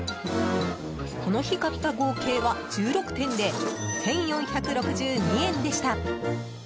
この日買った合計は１６点で１４６２円でした。